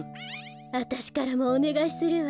あたしからもおねがいするわ。